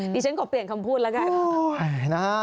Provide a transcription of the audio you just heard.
ดิฉันขอเปลี่ยนคำพูดแล้วกัน